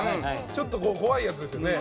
ちょっと怖いやつですよね。